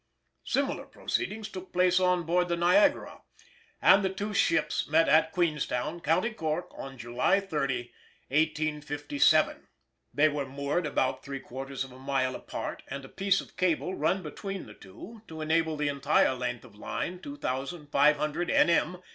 Similar proceedings took place on board the Niagara, and the two ships met at Queenstown, County Cork, on July 30, 1857. They were moored about three quarters of a mile apart, and a piece of cable run between the two to enable the entire length of line (2,500 N.M.)